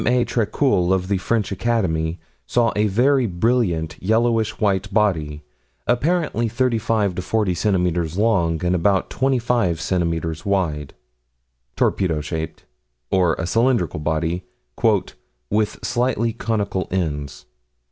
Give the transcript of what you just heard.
A. Trécul, of the French Academy, saw a very brilliant yellowish white body, apparently 35 to 40 centimeters long, and about 25 centimeters wide. Torpedo shaped. Or a cylindrical body, "with slightly conical ends."